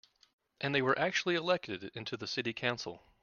And they actually were elected into the city council.